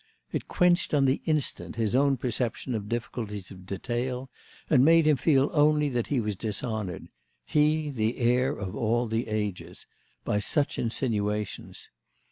It quenched on the instant his own perception of difficulties of detail and made him feel only that he was dishonoured—he the heir of all the ages—by such insinuations.